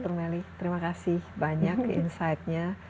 dr melly terima kasih banyak insightnya